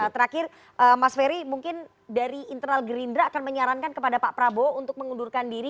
terakhir mas ferry mungkin dari internal gerindra akan menyarankan kepada pak prabowo untuk mengundurkan diri